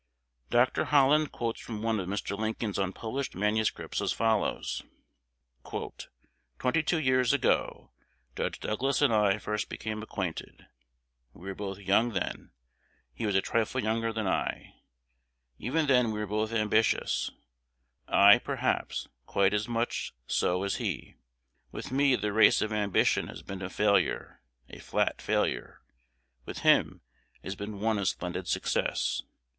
Dr. Holland quotes from one of Mr. Lincoln's unpublished manuscripts as follows: "Twenty two years ago, Judge Douglas and I first became acquainted: we were both young then, he a trifle younger than I. Even then we were both ambitious, I, perhaps, quite as much so as he. With me the race of ambition has been a failure, a flat failure; with him it has been one of splendid success.